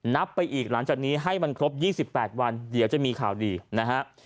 นับไปอีกหลังจากนี้ให้มันครบ๒๘วันเดี๋ยวจะมีข่าวดีนะฮะ